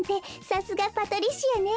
さすがパトリシアね。